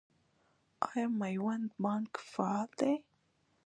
آیا میوند بانک فعال دی؟